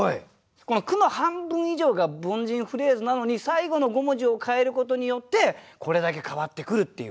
この句の半分以上が凡人フレーズなのに最後の５文字を変えることによってこれだけ変わってくるっていう。